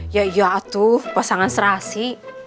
ya ya tuh pasangan serasi